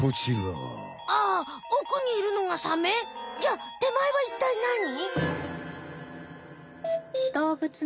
あおくにいるのがサメ？じゃあてまえはいったいなに？